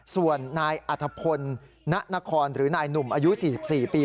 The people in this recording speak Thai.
ส่วนนายอัธพลณนครหรือนายหนุ่มอายุ๔๔ปี